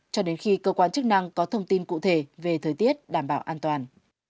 cho đến khi cơ quan chức năng có thông tin cụ thể về thời tiết đảm bảo an toàn